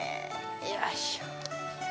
よいしょ。